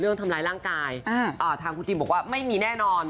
เรื่องทำร้ายร่างกายทางคุณทีมบอกว่าไม่มีแน่นอน